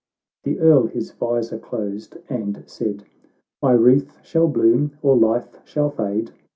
— The Earl his visor closed, and said, " My wreath shall bloom, or life shall fade.